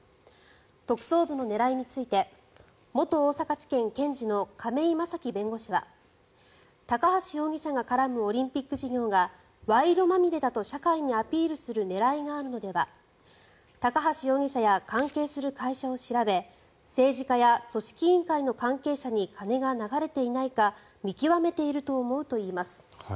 特捜部の狙いについて元大阪地検検事の亀井正貴弁護士は高橋容疑者が絡むオリンピック事業が賄賂まみれだと、社会にアピールする狙いがあるのでは高橋容疑者や関係する会社を調べ政治家や組織委員会の関係者に金が流れていないか見極めていると思うといいます。